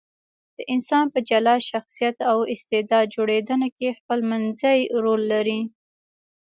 د انسان په جلا شخصیت او استعداد جوړېدنه کې خپلمنځي رول لري.